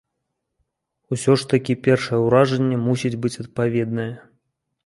Усё ж такі першае ўражанне мусіць быць адпаведнае.